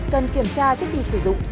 cần kiểm tra trước khi sử dụng